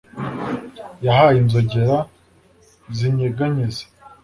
Yahaye inzogera zinyeganyeza